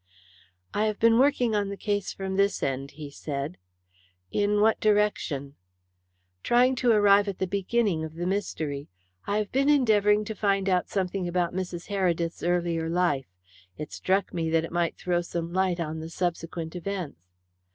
"I have been working on the case from this end," he said. "In what direction?" "Trying to arrive at the beginning of the mystery. I have been endeavouring to find out something about Mrs. Heredith's earlier life. It struck me that it might throw some light on the subsequent events."